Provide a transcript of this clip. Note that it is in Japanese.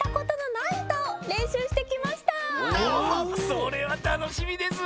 それはたのしみです。